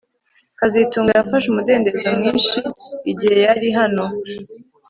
kazitunga yafashe umudendezo mwinshi igihe yari hano